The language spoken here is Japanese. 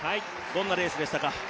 どんなレースでしたか？